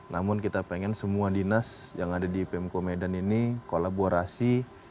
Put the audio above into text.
namun kita pengen semua dinas yang ada di pemko medan ini kolaborasi